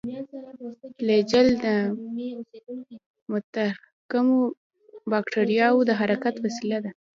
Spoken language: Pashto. فلاجیل د متحرکو باکتریاوو د حرکت وسیله ده.